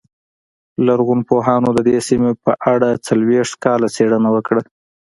لرغونپوهانو د دې سیمې په اړه څلوېښت کاله څېړنه وکړه